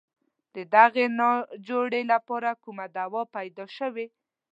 د دغې ناجوړې لپاره کومه دوا پیدا شوې.